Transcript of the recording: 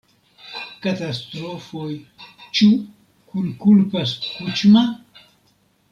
Katastrofoj: ĉu kunkulpas Kuĉma?